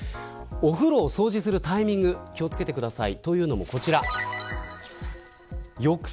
お風呂を掃除するタイミング気を付けてください。